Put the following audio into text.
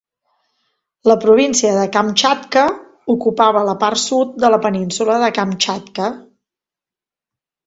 La província de Kamtxatka ocupava la part sud de la península de Kamtxatka.